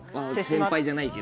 先輩じゃないけど。